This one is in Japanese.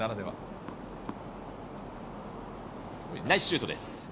ナイスシュートです。